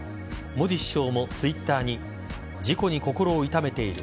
モディ首相もＴｗｉｔｔｅｒに事故に心を痛めている。